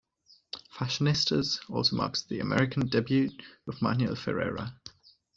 "Fashionistas" also marks the American debut of Manuel Ferrara.